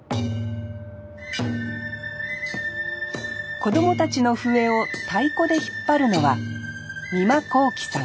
子供たちの笛を太鼓で引っ張るのは美麻昂輝さん